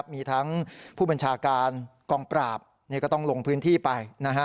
มีทั้งผู้บัญชาการกองปราบก็ต้องลงพื้นที่ไป